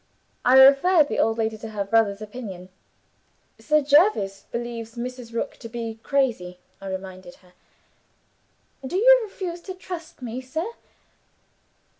I referred the old lady to her brother's opinion. 'Sir Jervis believes Mrs. Rook to be crazy,' I reminded her. 'Do you refuse to trust me, sir?